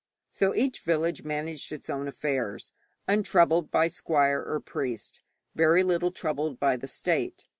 So each village managed its own affairs, untroubled by squire or priest, very little troubled by the state.